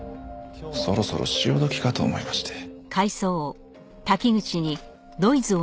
そろそろ潮時かと思いまして。